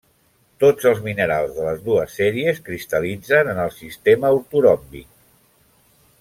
Tots els minerals de les dues sèries cristal·litzen en el sistema ortoròmbic.